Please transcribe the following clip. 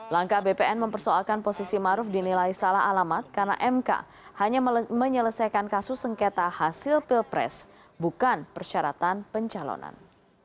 langkah bpn mempersoalkan posisi maruf dinilai salah alamat karena mk hanya menyelesaikan kasus sengketa hasil pilpres bukan persyaratan pencalonan